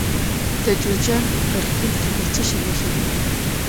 د جوزجان په قرقین کې د څه شي نښې دي؟